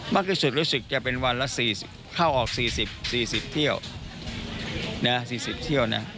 มากที่สุดรู้สึกจะเป็นวันละเข้าออก๔๐๔๐เที่ยว๔๐เที่ยวนะ